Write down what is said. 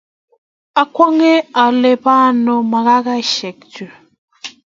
akwonge ale bo ngo makasisiek chu.